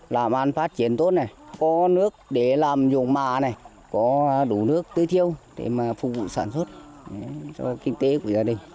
làm ăn phát triển tốt này có nước để làm dùng mả này có đủ nước tư thiêu để mà phục vụ sản xuất cho kinh tế của gia đình